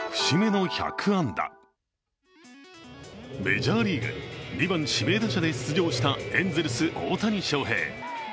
メジャーリーグ、２番・指名打者で出場したエンゼルス・大谷翔平。